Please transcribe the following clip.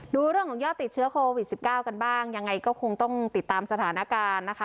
ดูเรื่องของยอดติดเชื้อโควิด๑๙กันบ้างยังไงก็คงต้องติดตามสถานการณ์นะคะ